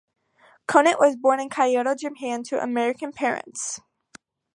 Conant was born in Kyoto, Japan to American parents.